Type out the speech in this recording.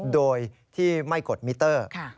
โดยที่ไม่กดมิเตอร์